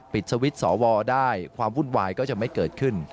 สวิตช์สวได้ความวุ่นวายก็จะไม่เกิดขึ้น